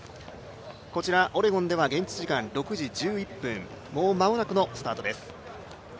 こちら、オレゴンでは現地時間６時１１分もう間もなくのスタートです。